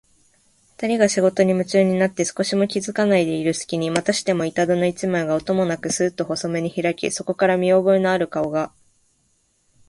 ふたりが仕事にむちゅうになって少しも気づかないでいるすきに、またしても板戸の一枚が、音もなくスーッと細めにひらき、そこから見おぼえのある顔が、